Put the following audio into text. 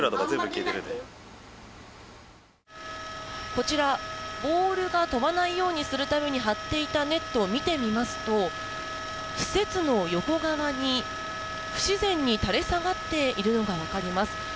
こちら、ボールが飛ばないようにするために張っていたネットを見てみますと施設の横側に不自然に垂れ下がっているのがわかります。